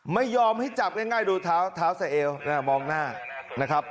ไม่ยอมให้จับง่ายดูเท้าเท้าใส่เอวมองหน้านะครับ